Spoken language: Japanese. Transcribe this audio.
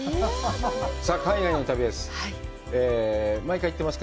さあ、海外の旅です。